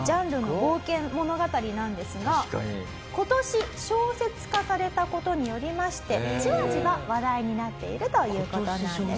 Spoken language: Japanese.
あまり今年小説化された事によりましてじわじわ話題になっているという事なんです。